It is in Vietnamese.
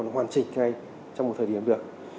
hoặc chỉnh ngay trong một thời điểm được